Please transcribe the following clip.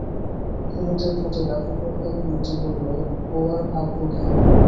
কুমুদের মতো বেপরোয়াভাবে মতি বলল, ওর আর ভাবব কী?